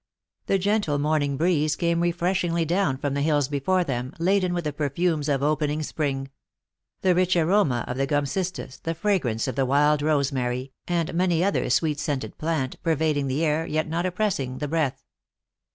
The gentle morning breeze came refreshingly down from the hills before them, laden with the perfumes of opening spring ; the rich aroma of the gum cistus, the fragrance of the wild rosemary, and many another sweet scented plant, per vading the air, yet not oppressing the breath.